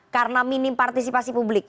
karena minim partisipasi publik